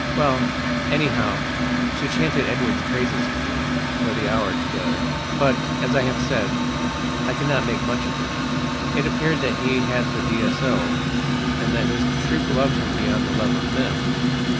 Well, anyhow, she chanted Edward's praises to me for the hour together, but, as I have said, I could not make much of it. It appeared that he had the D.S.O., and that his troop loved him beyond the love of men.